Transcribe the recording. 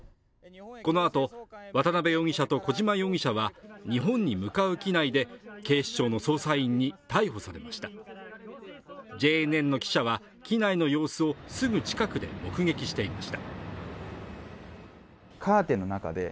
このあと渡辺容疑者と小島容疑者は日本に向かう機内で警視庁の捜査員に逮捕されましたＪＮＮの記者は機内の様子をすぐ近くで目撃していました